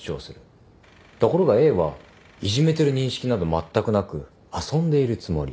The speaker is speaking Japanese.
ところがＡはいじめてる認識などまったくなく遊んでいるつもり。